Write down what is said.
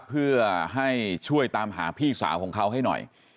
เพื่อให้ช่วยตามหาพี่สาวของเขาให้หน่อย